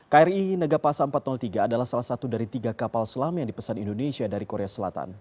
kri nagapasa empat ratus tiga adalah salah satu dari tiga kapal selam yang dipesan indonesia dari korea selatan